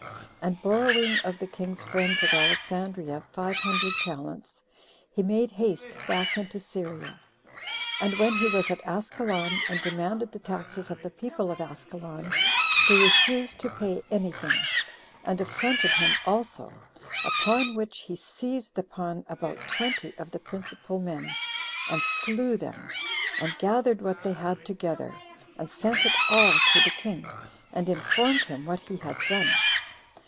And borrowing of the king's friends at Alexandria five hundred talents, he made haste back into Syria. And when he was at Askelon, and demanded the taxes of the people of Askelon, they refused to pay any thing, and affronted him also; upon which he seized upon about twenty of the principal men, and slew them, and gathered what they had together, and sent it all to the king, and informed him what he had done.